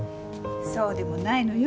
そうでもないのよ。